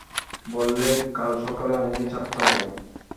বললে, কাল সকালেই আমাকে ছাড়তে হবে।